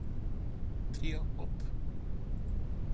Trío Op.